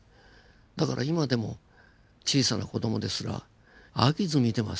だから今でも小さな子供ですら飽きず見てますよ。